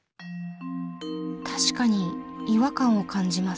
確かに違和感を感じます。